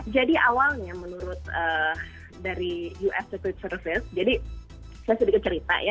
jadi awalnya menurut dari us secret service jadi saya sedikit cerita ya